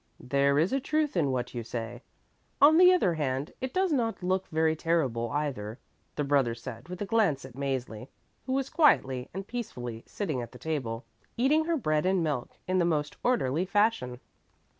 "There is a truth in what you say. On the other hand, it does not look very terrible, either," the brother said with a glance at Mäzli, who was quietly and peacefully sitting at the table, eating her bread and milk in the most orderly fashion.